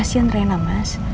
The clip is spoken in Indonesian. bank rai di pbr satu